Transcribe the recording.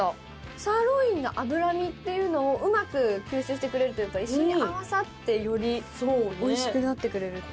サーロインの脂身っていうのをうまく吸収してくれるというか一緒に合わさってよりおいしくなってくれる。